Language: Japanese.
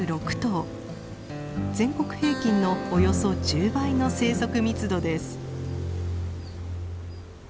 全国平均のおよそ１０倍の生息密度です。